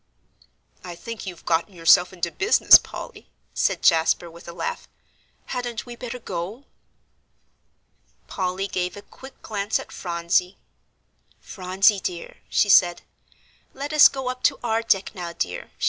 "I think you've gotten yourself into business, Polly," said Jasper, with a laugh. "Hadn't we better go?" Polly gave a quick glance at Phronsie. "Phronsie dear," she said, "let us go up to our deck now, dear.